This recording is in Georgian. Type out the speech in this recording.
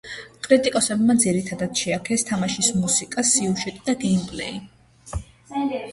კრიტიკოსებმა ძირითადად შეაქეს თამაშის მუსიკა, სიუჟეტი და გეიმპლეი.